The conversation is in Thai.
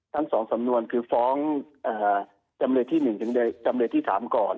ทั้ง๒สำนวนคือฟ้องจำเลยที่๑ถึงจำเลยที่๓ก่อน